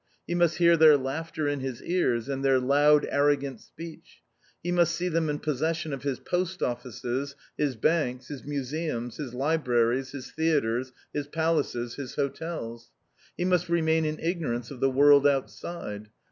He must hear their laughter in his ears, and their loud arrogant speech. He must see them in possession of his Post Offices, his Banks, his Museums, his Libraries, his Theatres, his Palaces, his Hotels. He must remain in ignorance of the world outside.